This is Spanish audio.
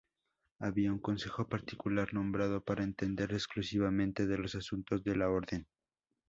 Había un consejo particular, nombrado para entender exclusivamente de los asuntos de la orden.